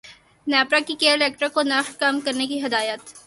نیپرا کی K Electric کو نرخ کم کرنے کی ہدایت